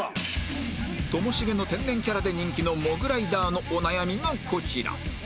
ともしげの天然キャラで人気のモグライダーのお悩みがこちら